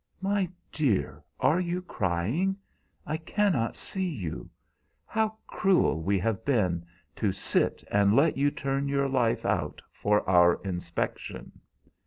"My dear, are you crying? I cannot see you. How cruel we have been, to sit and let you turn your life out for our inspection!"